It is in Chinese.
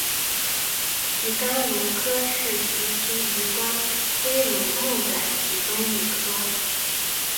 奇肛鲈科是辐鳍鱼纲鲑鲈目的其中一科。